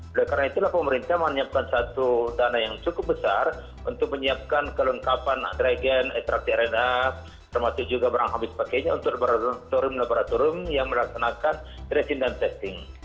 oleh karena itulah pemerintah menyiapkan satu dana yang cukup besar untuk menyiapkan kelengkapan regen ekstrakti rna termasuk juga barang habis pakainya untuk laboratorium laboratorium yang melaksanakan tracing dan testing